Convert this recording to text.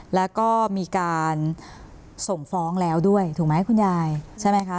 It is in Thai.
แล้วก็มีการส่งฟ้องแล้วด้วยถูกไหมคุณยายใช่ไหมคะ